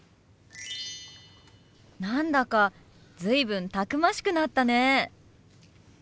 何だか随分たくましくなったね。